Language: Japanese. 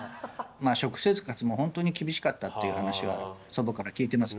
まあ食生活も本当に厳しかったっていう話は祖母から聞いてますね。